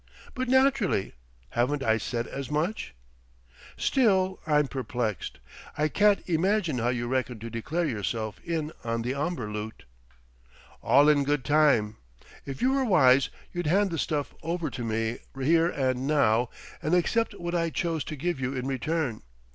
"But naturally. Haven't I said as much?" "Still, I'm perplexed. I can't imagine how you reckon to declare yourself in on the Omber loot." "All in good time: if you were wise, you'd hand the stuff over to me here and now, and accept what I chose to give you in return.